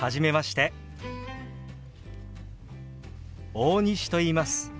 大西といいます。